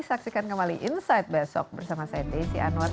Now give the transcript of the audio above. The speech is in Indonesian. saksikan kembali insight besok bersama saya desi anwar